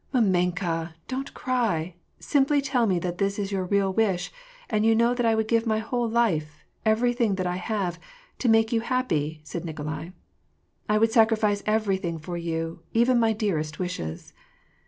'' Mamenka ! don't cry ; simply tell me that this is your real wish, and you know that I would give my whole life — every thing that I have — to make you happy," said Nikolai. " I would sacrifice everything for you, even my dearest wishes."